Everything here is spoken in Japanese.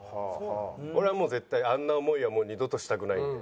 俺はもう絶対あんな思いはもう二度としたくないんで。